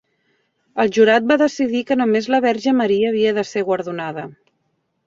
El jurat va decidir que només la Verge Maria havia de ser guardonada.